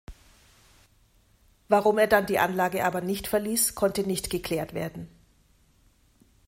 Warum er dann die Anlage aber nicht verließ, konnte nicht geklärt werden.